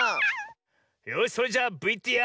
よしそれじゃあＶＴＲ。